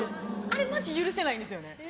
あれマジ許せないんですよね。